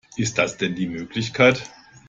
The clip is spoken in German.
Ist das denn die Möglichkeit?